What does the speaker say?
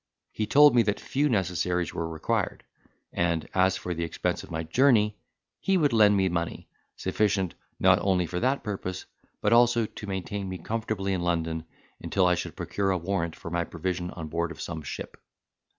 He told me that few necessaries were required; and, as for the expense of my journey, he would lend me money, sufficient not only for that purpose, but also to maintain me comfortably in London until I should procure a warrant for my provision on board of some ship.